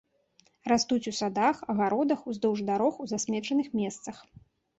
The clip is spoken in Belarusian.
Растуць у садах, агародах, уздоўж дарог, у засмечаных месцах.